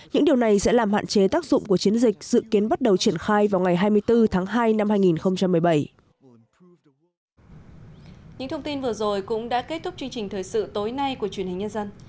những điều này sẽ làm hạn chế tác dụng của chiến dịch dự kiến bắt đầu triển khai vào ngày hai mươi bốn tháng hai năm hai nghìn một mươi bảy